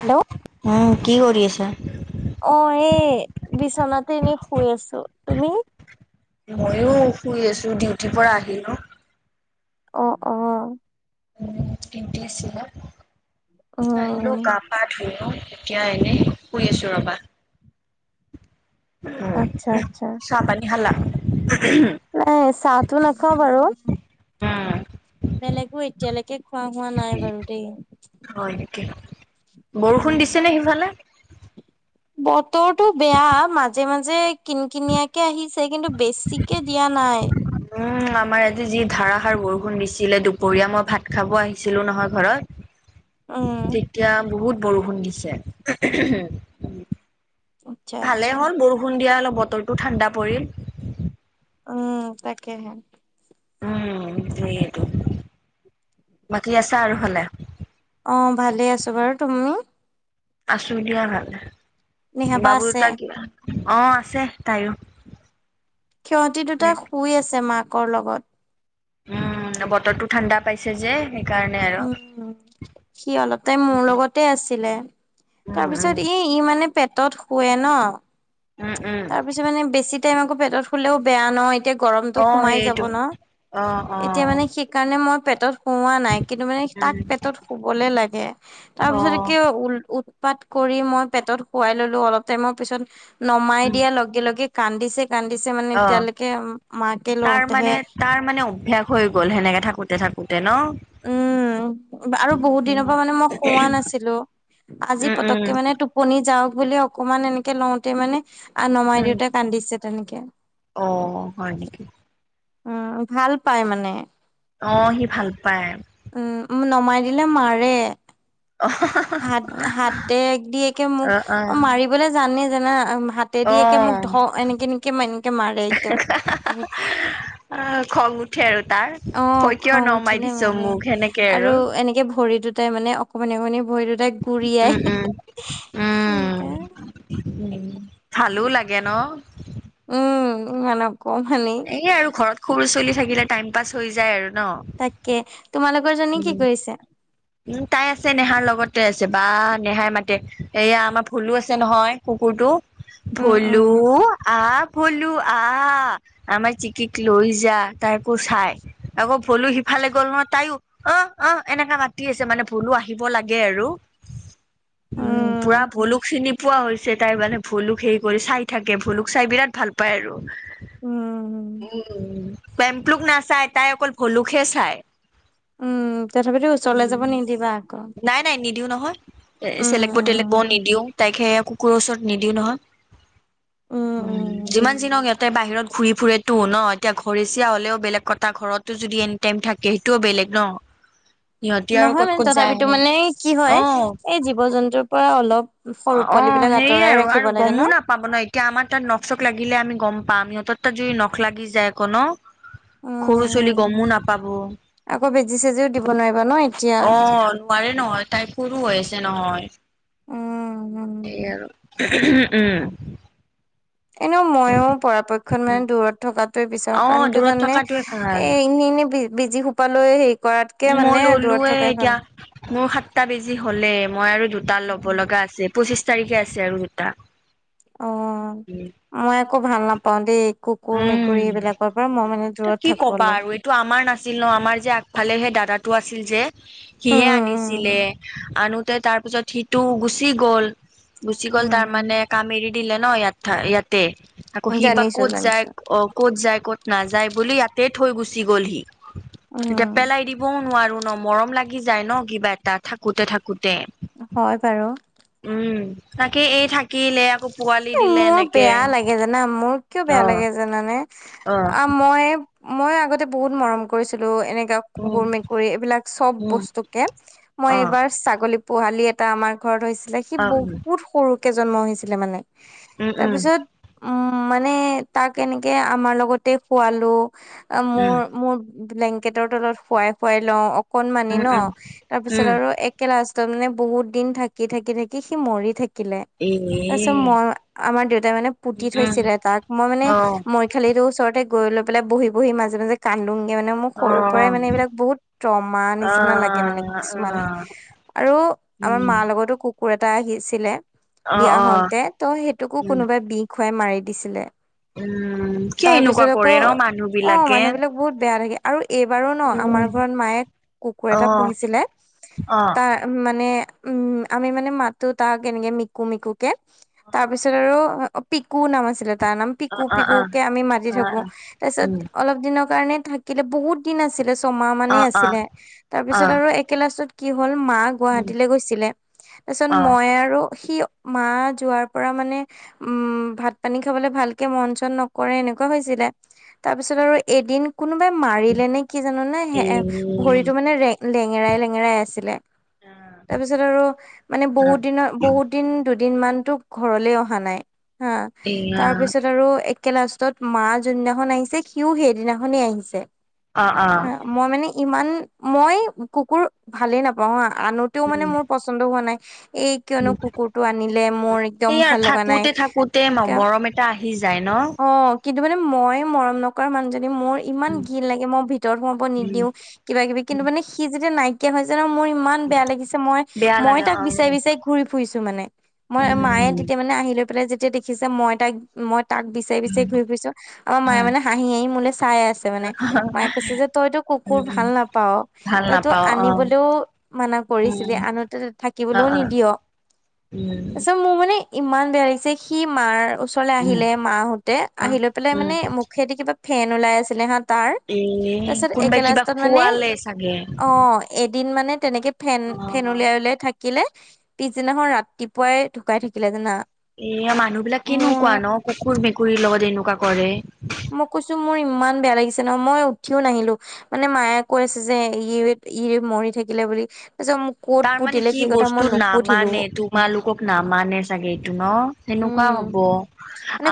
Hello উম, কি কৰি আছা? অ', এ বিচনাতে এনেই শুই আছো, তুমি? ময়ো শুই আছো, ডিউটিৰ পৰা আহিলো অ', অ', [unintelligible] [unintelligible] উম এতিয়া, এনেই শুই আছো ৰবা আচ্ছা, আচ্ছা, চাহ পানী খালা নাই চাহটো নাখাওঁ বাৰু বেলেগো এতিয়ালৈকে খোৱা হোৱা নাই বাৰু দেই হয় নেকি, উম বৰষুণ দিছে নে সিফালে? বতৰটো বেয়া মাজে মাজে কিন কিনিয়াকে আহিছে কিন্তু বেছিকে দিয়া নাই। উম, আমাৰ আজি যি ধাৰাসাৰ বৰষুণ দিছিলে দুপৰীয়া মই ভাত খাব আহিছিলো, নহয় ঘৰত। উম তেতিয়া বহুত বৰষুণ দিছে। আচ্ছা ভালে আচ্ছা হ'ল, বৰষুণ দিয়া অলপ বতৰটো ঠাণ্ডা পৰিল। উম, তাকেহে। উম সটো, বাকী আছা আৰু হলে? অ' ভালে আছো বাৰু, তুমি? আছো দিয়া ভাল, নিহাবা বাবু আছে দুটা কিবা অ' আছে তাইও। সিহঁতি দুটা উম, শুই আছে মাকৰ লগত। উম বতৰটো ঠাণ্ডা পাইছে যে। সেইকাৰণে। আৰু। উম সি অলপ টাইম মোৰ উম, লগতে আছিলে, তাৰপিছত এই ই মানে পেটত শুৱে ন। উম, উম। তাৰ পিছত মানে বেছি টাইম আকৌ পেটত খুললেও বেয়া নয় এতিয়া গৰমতটো অ', সোমাই যাব সেইটো ন, অ', এতিয়া অ', মানে সেইকাৰণে মই পেটত শুৱা নাই কিন্তু মানে তাক উম, পেটত শুবলে লাগে, তাৰ পিছত অ', কিয় উল উ পাত কৰি মই পেটত শোৱাই ললো অলপ, টাইমৰ পিছত নমাই উম, দিয়া লগে লগে কান্দিছে। কান্দিছে মানে, অ', এতিয়ালৈকে মাকে তাৰ মানে লওঁতেহে তাৰ মানে অভ্যাস। হৈ গ'ল সেনেকে থাকোতে থাকোতে ন। উম আৰু বহুত উম, দিনৰ পৰা মানে মই সোৱা নাছিলো। আজি উম, পতককে মানে টুপণী যাওক বুলি অকমান এনেকে লওঁতেই মানে, নমাই উম, দেউতাই কান্দিছে তেনেকে। অ' হয় নেকি? উম, ভাল পাই মানে। অ' সি ভাল পায়। উম, নমাই দিলে মাৰে। [unintelligible] হাত হাতেদ একে মোক, অ', অ', মাৰিবলে জানে জানা হ তেদিকে মোক ধ অ', এনেকে এনেকে এনেকে মাৰে। অ' খং উঠে আৰু তাৰ। তই অ' কিয় খং নমাই উঠিলে দিছ মাৰে, মোক সেনেকে আৰু এনেকে ভৰি দুটাই মানে অকমানি অকণি ভৰি দুটা এ, গুৰিয়াই উম, উম, [unintelligible] উম ভালো লাগে ন। উম, ইমান অকমানি। এই আৰু ঘৰত সৰু চলি থাকিলে টাইম পাছ হৈ যায় আৰু ন। তাকে, তোমালোকৰ জনী কি কৰিছে? উ তাই আছে নেহাৰ লগতে আছে, বা নেহাই মাতে এয়া আমাৰ ফুলো আছে নহয় কুকুৰটো। উম ভোলো, উম আহ ভলো আহ। আমাৰ চিকিক লৈ যা, তাই আকৌ চাই। আকৌ ভলো সিফালে গ'ল নহয় তাইও, অ' অ' এনেকে মাতি মাতি আছে মানে ভুলো আহিব লাগে আৰু, উম' পুৰা ভুলো চিনি পোৱা হৈছে তাই মানে ভোুলুক হেৰি কৰি চাই থাকে, ভুলুক চাই বিৰাট ভাল পায় আৰু। উম। উ পেম্প্লুক নাচাই, তাই অকল ভলুকে চাই। উম, তথাপিতো ওচৰলৈ উম। যাব নিদিবা আকৌ। নাই নাই নিদিওঁ নহয়। এ উম, চেলেক বৰ েলেক বৰ নিদিও তাইকে কুকুৰৰ ওচৰত নিদিও নহয়। উম' যিমান যি নহক [unintelligible] ইয়াত ততে বাহিৰত ঘূৰি ফুৰেতো ন, এতিয়া ঘৰেচিয়া হলেও বেলেগ কথা ঘৰতো যদি এনি টাইম থাকে সেইটোও বেলেগ ন [unintelligible] সিহঁতি আৰু নহয় ক'ত মানে, ক'ত যায় তথাপিতো ন মানে কি হয়, অ এই জীৱ জন্তুৰ পৰা অলপ অ, সৰু অ, পোৱালী বিলাক সেইয়ে আঁতৰাই ৰাখিব আৰু লাগে ন? গমো নাপ [unintelligible] পাব ন এতিয়া, আমাৰ তাত নখ চখ লাগিলে আমি গম পাম। সিহঁতৰ তাত যদি নখ লাগি যায় আক ন উম, সৰু চুলি উম। গমো নাপাব। অ' আকৌ বেজি চেজিও দিব নোৱাৰিবা ন এতিয়া? নোৱাৰে নহয় তাই সৰু হৈ আছে নহয়। উম, উম। স আৰু উম [unintelligible] এনেও মইয়ো পৰাপক্ষত উম মানে দূৰত থকাত বিচাৰো অ কাৰণ কে দূৰত জানে, থকাটোৱে ভাল এ এনে এনেই বিজি সোপালৈ হেৰি কৰাতকে মই মানে, ললোৱে দূৰত থকাই এতিয়া ভাল। মোৰ সাতটা বেজি হ'লে মই আৰু দুটা ল'ব ভাল। লগা আছে। পঁচিশ তাৰিখে আছে আৰু দুটা, [unintelligible] অ', মই একো ভাল নাপাওঁ দেই একো, কুকুৰ, উম মেকুৰী, এইবিলাকৰ পৰা মই মানে দূৰত থাকোঁ অলপ। তটো আমাৰ নাছিল ন, আমাৰ যে আগফালে সেই দাদাটো আছিল যে। সিহে আনিছিলে, উম, আনোতে তাৰ পিছত সিটো গুচি গ'ল। গুচি গ'ল তাৰমানে, উম, কাম এৰি দিলে ন, ইয়াত ইয়াতে আকৌ সি বা জানিছো ক'ত, যায় জানিছো অ' ক'ত যায় কত নাযায় বুলি ইয়াতে থৈ গুচি গ'ল সি, উম, এতিয়া পেলাই দিম, কবও নোৱাৰো ন, মৰম লাগি যায় ন, কিবা এটা থাকোতে থাকোতে। হয় বাৰু, উম, তাকে এই থাকিলে আকৌ' পোৱালি দিলে মোৰ এনেকে বেয়া লাগে জানা, মোৰ কিয় বেয়া অ লাগে জানানে অ মই, মই আগতে বহুত মৰম কৰিছিলোঁ। এনেকা উম কুকুৰ, মেকুৰী, এইবিলাক চব উম বস্তুকে, অ মই এইবাৰ ছাগলী পোহালি এটা আমাৰ ঘৰত হৈছিলে, সি অ বহুত সৰুকৈ জন্ম হৈছিলে মানে, উম তাৰ উম পিছত, উম মানে তাক এনেকে আমাৰ লগতে খোৱালো। উম মোৰ মোৰ ব্লেংকেটৰ তলত শোৱাই শোৱাই লওঁ, কণমানি উম উম ন, উম তাৰপিছত উম আৰু কে লাষ্টত মানে বহুত দিন থাকি থাকি থাকি সি মৰি থাকিলে। উম, তাৰপিছত মই আমাৰ দেউতাই মানে পুতি উম থৈছিলে তাক, মই মানে অ মই খালি ওচৰতে গৈ, পেল বহি, বহি, মাজে মাজে কান্দোংগে মানে, মোৰ অ সৰুৰ পৰাই মানে এইবিলাক বহুত ৰমা অ নিচিনা লাগে মানে, অ কিছুমান আৰু আমাৰ উম মাৰ লগতো কুকুৰ এটা আহিছিলে অ', তই সেইটোকো উম কোনোবাই বিষ খুৱাই মাৰি দিছিলে উম কিয় তাৰ এনেকুৱা পিছত আকৌ, কৰে ন মানুহ অ ', বিলাকে মানুহ বিলাক বহুত বেয়া লাগে আৰু এইবাৰো ন, আমাৰ উম ঘৰত মায়ে কুকুৰ অ এটা পুহিছিলে অ তাৰ মানে আমি মানে, মাতোঁ তাক এনেকৈ মিকু মিকুকে তাৰ পিছত আৰু, অ', পিকু নাম আছে আছিলে, তাৰ নাম অ পিকু অ পিকু অ কে আমি মাতি থাকো অ তাৰপিছত উম অলপ দিনৰ কাৰণে থাকিলে, বহুত দিন আছিলে ছমাহ মানে অ অ আছিলে, তাৰপিছত আৰু একেলাচত কি হ'ল মা গুৱাহতীলে গৈছিলে, তাৰপিছত মই আৰু সি মা যোৱাৰ পৰা মানে, উম ভাত পানী খাবলৈ ভালকে মন চন নকৰে, এনেকুৱা হৈছিলে তাৰপিছত আৰু এদিন কোনোবাই মাৰিলে নে কি জানো, না স ভৰিতটো মানে লেঙেৰাই লেঙেৰাই আছিলে তাৰপিছত আৰু মানে, বহুত দিনৰ বহুত দিন দুদিন মান ঘৰলে অহা নাই, হা এয়া তাৰপিছত আৰু লাষ্টত মা যোনদিনাখন আহিছে, সিও সেইদিনাখনেই আহিছে অ', অ'। হা, মই মানে ইমান, মই কুকুৰ ভালে নাপাওঁ হা। আনোতেও মানে মোৰ উম পচ পচন্দ হোৱা নাই, এই কিয়নো কুকুৰটো আনিলে। মোৰ একদম এইয়া ভাল লগা থাকোতে-থাকোতে মৰম এটা আহি যায় ন'। অহ, কিন্তু মানে মই মৰম নকৰা মানুহজনী মোৰ ইমান উম ঘিন লাগে, মই ভিতৰত সোমাব উম নিদিওঁ। কিবা-কিবি কিন্তু মানে সি যেতিয়া নাইকিয়া হৈ যায় মোৰ ইমান বেয়া লাগিছে, বেয়া মই-মই লাগে তাক অ উম বিচাৰি-বিচাৰি ঘুৰি ফুৰিছোঁ মানে, মই উম মায়ে তেতিয়া মানে আহি লৈ পেলাই যেতিয়া দেখিছে মই তাইক মই তাক বিছাৰি-বিছাৰি ঘূৰি ফুৰিছো, আমাৰ উম মায়ে মানে হাঁহি-হাঁহি মোলে চাই আছে। আছে মানে, মায়ে কৈছে যে তইতো কুকুৰ উম ভাল নাপাও। ভাল তইতো নাপাও অ আনিবলৈও মানা উম কৰিছিলি, আনোতে তই অ থাকিবলৈও অ নিদিয়। উম। তাৰপিছত মোৰ মানে ইমান বেয়া লাগিছে, সি মাৰ ওচৰলৈ উম আহিলে মাহঁতে অ আহি লৈ পেলাই উম মানে মোক মুখেদি কিবা ফন ওলাই আছিলে হা, তা তাৰ এ তাৰপিছত একে কোনোবাই কিবা লাষ্টত মানে খোৱালে চাগে অহ। এদিন মানে তেনেকে ফেন, অ ফেন উলিয়াই-উলিয়াই থাকিলে, পিছদিনাখন ৰাতিপু পুৱাই ঢুকাই থাকিলে জানা। এই মানুহবিলাক মোৰ কেনেকুৱা ন' কুকুৰ, মেকুৰীৰ লগত এনেকুৱা কৰে। মই কৈছোঁ মোৰ ইমান বেয়া লাগিছে ন' মই উঠিও নাহিলোঁ। মানে মায়ে কৈ আছে যে ই-ই মৰি থাকিলে বুলি। তাৰপিছত মোক ক'ত তাৰ মানে পুতিলে কি কথা বস্তু মই নামানে নুসুধিলোঁও। তোমালোকক নামানে চাগে এইটো ন' সেনেকুৱা উম হ'ব।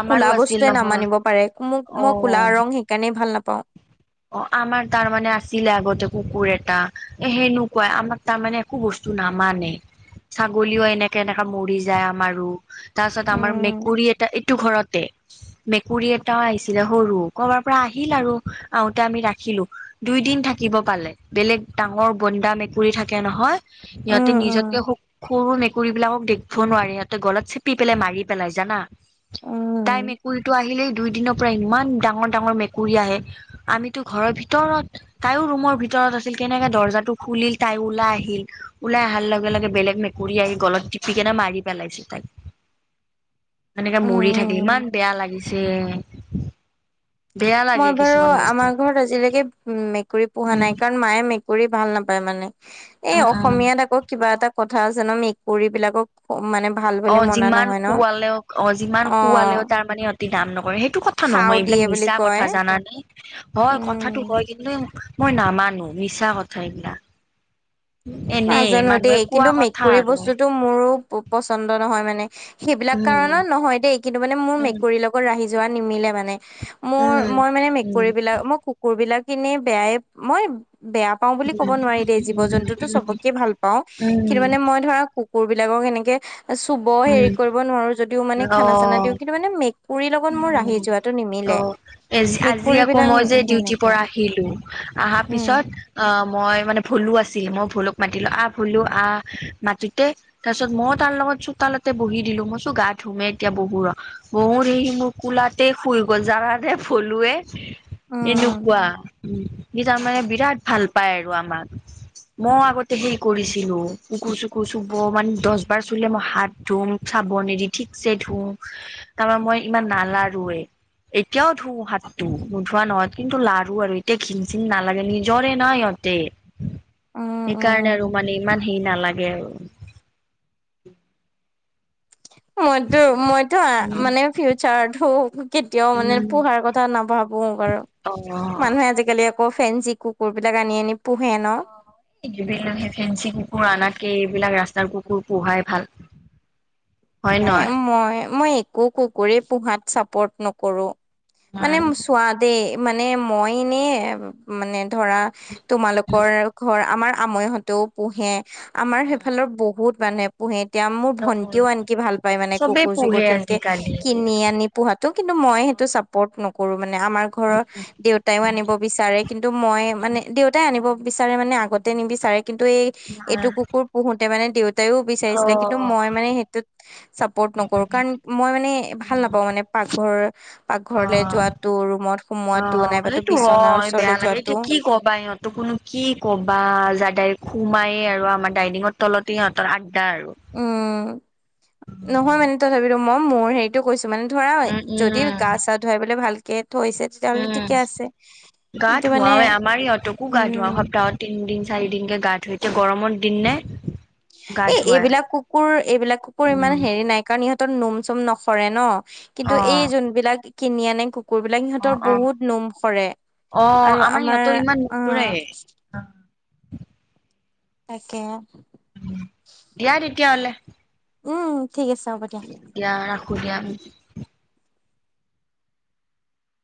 আমাৰো আছিল নহয়। হ'ব পাৰে মোক অ মই কলা ৰং সেইকাৰণেই ভাল নাপাওঁ। অহ, আমাৰ তাৰমানে আছিলে আগতে কুকুৰ এটা। এ সেনুৱাই আমাক তাৰমানে একো বস্তু নামানে। ছাগলীও এনেকে-এনেকা মৰি যায় আমাৰো। তাৰপাছত আমাৰ উম মেকুৰী এটা এইটো ঘৰতে। মেকুৰী এটাও আহিছিলে সৰু, কৰবাৰ পৰা আহিল আৰু আহোঁতে আমি ৰাখিলোঁ। দুইদিন থাকিব পালে, বেলেগ ডাঙৰ বন্দা মেকুৰী থাকে নহয়। উম সিহঁতে নিজতকে উম সৰু মেকু কুকুৰীবিলাকক দেখিব নোৱাৰি সিহঁতে গল চেপি পেলাই মাৰি পেলাই জানা। তাই উম মেকুৰীটো আহিলেই দুইদিনৰ পৰা ইমান ডাঙৰ-ডাঙৰ মেকুৰী আহে। আমিতো ঘৰৰ ভিতৰত। তাইও ৰুমৰ ভিতৰত আছিল, কেনেকে দৰ্জাটো খুলিল তাই ওলাই আহিল। ওলাই অহাৰ লগে-লগে বেলেগ মেকুৰী আহি গলত টিপিকেনে মাৰি পেলাইছে তাইক। এনেকে মৰি থাকিল উম ইমান বেয়া লাগিছে। বেয়া লাগে মই বাৰু কিছুমান বস্তু আমাৰ ঘৰত আজিলৈকে উম, মেকুৰী পোহা উম নাই কাৰণ মায়ে মেকুৰী ভাল নাপায় মানে, এই উম উম অসমীয়াত আকৌ কিবা এটা কথা আছে না' মেকুৰীবিলাকক অহ, মানে ভাল অহ, যিমান খোৱালেও অহ, যিমান অ খোৱালেও তাৰমানে সিহঁতে নাম নকৰে সেইটো কথা খাও নহয়, এইবিলাক দিয়ে বুলি মিছা কয় কথা জানানে, হয় উম কথাটো হয় কিন্তু মানে মই নামানো মিছা কথা এইবিলাক। এনেই নাজানো দেই মানুহে কিন্তু কোৱা কথা মেকুৰী আৰু। বস্তুটো মোৰো পচন্দ নহয় মানে, সেইবিলাক উম কাৰণত নহয় দেই কিন্তু মানে মোৰ উম মেকুৰী লগত লগত ৰাহি যোৱা নিমিলে মানে, মোৰ উম মই মানে মেকুৰীবিলাক মই কুকুৰ কুকুৰবিলাক কিনি বেয়াই, মই বেয়া পাওঁ বুলি ক'ব উম নোৱাৰি দেই উম জীৱ-জন্তুতো উম চবকে ভাল পাওঁ উম কিন্তু মানে মই ধৰা কুকুৰবিলাকক এনেকে চুব হেৰি উম কৰিব নোৱাৰো যদিও মানে অ খানা-চানা দিওঁ। কিন্তু মানে মেকুৰীৰ লগত মোৰ ৰাহি যোৱাটো নিমিলে। এজি-আজি মেকুৰী আকৌ বিলাক মই যে হেৰি ডিউটিৰ নকৰা পৰা আহিলোঁ, আহা পিছত উম অহ, মই মানে ভুলো আছিল, মই ভুলোক মাতিলোঁ আহ ভুলো আহ মাতোতে তাৰ পিছত মইও তাৰ লগত চোতালতে বহি দিলো, মই ভাবিছো গা ধুমে এতিয়া বহু ৰ। বহুতহি মোৰ কোলাতে শুই গ'ল, যানা নে ভলুৱে। উম এনেকুৱা সি তাৰমানে বিৰাট ভাল পায় আৰু আমাক। মই আগতে হে কৰিছিলো, কুকুৰ চুকুৰ চুব মানে দশ বাৰ চুলে মই হাত ধুম চাব নিদি ঠিকছে ধুম, তাৰমান মই ইমান নালাৰোৱে। এতিয়াও ধুও হাতটো নোধোৱা নহয়, কিন্তু লাৰ়ু আৰু এতিয়া ঘিন চিন নালাগে, নিজৰে নাই ইহত তে, উম সেইকাৰণে উম আৰু মানে ইমান হেৰি নালাগে আৰু। মইতো, মইতো উম মানে ফিউচাৰো কেতিয়াও মানে উম পোহাৰ কথা নাভাবো। বহ আৰু, অ মানুহে আজিকালি আকৌ ফেঞ্চি কুকুৰ বিলাক আনি আনি পোহে ন। য সেই ফেঞ্চি কুকুৰ আনাতকে, এইবিলাক ৰাস্তাৰ কুকুৰ পোহাই ভাল। [inaudible] হয় এ নহয় মই, মই একো কুকুৰে পোহাত চাপৰ্ট নকৰো। মানে চোৱা দেই, মানে মই এনে মানে ধৰা তোমালোকৰ ঘৰ আমাৰ আমৈহতো পোহে, আমাৰ সেইফালৰ বহুত মানুহে পোহে এতিয়া মোৰ উম ভন্টিও আন কি ভাল পাই মানে চবেই কুকুৰ চুকুৰ পোহে তেনেকে, আজিকালি কিনি আনি পোহো কিন্তু মই সেইটো চাপৰ্ট নকৰো, মানে আমাৰ ঘৰৰ দেউত দেউতায়ও আনিব বিচাৰে, কিন্তু মই মানে, দেউতাই আনিব বিচাৰে মানে আগতে নিবিচাৰে কিন্তু এই এইটো কুকুৰ পোহোতে মানে দেউতাইও অ বিচাৰিছিলে কিন্তু মই মানে সেই চাপৰ্ট নকৰো, কাৰণ মই মানে ভাল নাপাওঁ মানে পাকঘৰ পাকঘৰলে অ', যোৱাটো ৰুমত সোমোৱাটো অ' নাইবাতো সেটো বিচনাৰ হয় ওচৰলে বেয়া লাগে যোৱাটো এতিয়া কি কবা ইহঁত ত কোনো কি ক'বা যাদাই সোমাইয়েই আৰু আমাৰ ডাইনিঙৰ তলতে সহঁতৰ আড্ডা আৰু। উম, নহয় মানে তথাপিতো মই মোৰ হেৰি টো কৈছো মানে ধৰা উম, যদি গা উম, চা ধুৱাই পেলাই ভালকে থৈছে তেতিয়াহ'লে ঠিকে উম, আছে গা কিন্তু মানে ধুৱাওৱে আমাৰ ইহঁতকো গা ধুৱাও উম সপ্তাহত তিন দিন চাৰি দিনকে গা ধুইতে গৰমৰ দিন নে। গা এই ধুৱাই এইবিলাক কুকুৰ এইবিলাক কুকুৰ ইমান উম, হেৰি নাই। কাৰণ ইহঁতৰ নোম চোম নসৰে ন, কিন্তু এই অ', যোনবিলাক কিনি আনে কুকুৰবিলাক অ', সিহঁতৰ অ', বহুত নোম সৰে, অ' আৰু আমাৰ ইহঁতৰ ইমান আ নুফুৰে তাকে। ইয়াত তেতিয়াহলে। উম, ঠিক আছে হ'ব দিয়। দিয়া, ৰাখোঁ দিয়া।